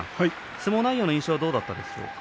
相撲内容の印象いかがでしたか？